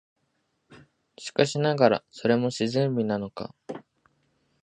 しかしながら、それも自然美なのか、